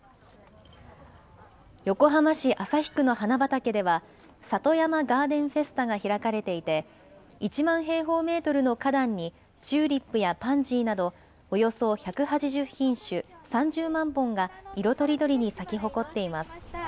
横浜市旭区の花畑では、里山ガーデンフェスタが開かれていて、１万平方メートルの花壇に、チューリップやパンジーなどおよそ１８０品種、３０万本が色とりどりに咲き誇っています。